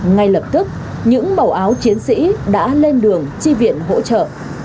ngay lập tức những màu áo chiến sĩ đã lên đường chi viện hỗ trợ